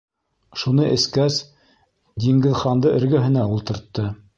Шуны эскәс, Диңгеҙханды эргәһенә ултыртты: